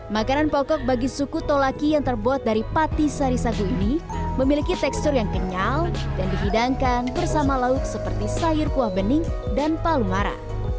makanan pokok bagi suku tolaki yang terbuat dari pati sari sagu ini memiliki tekstur yang kenyal dan dihidangkan bersama lauk seperti sayur kuah bening dan palu mara